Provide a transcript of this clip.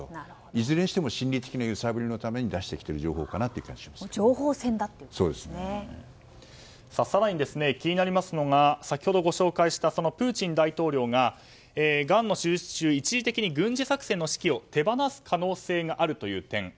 いずれにしても心理的な揺さぶりのために更に、気になりますのが先ほどご紹介したプーチン大統領ががんの手術中に一時的に軍事作戦の指揮を手放す可能性があるという点。